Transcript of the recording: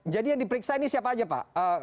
jadi yang diperiksa ini siapa aja pak